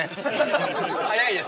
早いです